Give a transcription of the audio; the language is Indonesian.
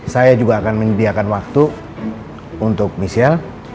saya juga akan menyediakan waktu untuk michelle